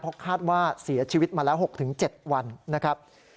เพราะคาดว่าเสียชีวิตมาแล้ว๖๗วันนะครับ